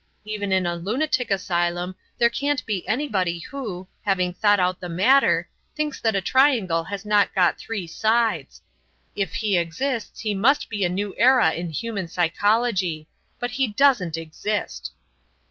Even in a lunatic asylum there can't be anybody who, having thought about the matter, thinks that a triangle has not got three sides. If he exists he must be a new era in human psychology. But he doesn't exist."